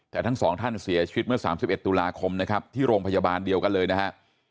แต่ทั้งสองท่านเสียชีวิตเมื่อ๓๑ตุลาคมนะครับที่โรงพยาบาลเดียวกันเลยนะฮะ